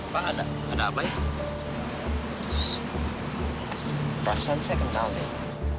perasaan saya kenal dewi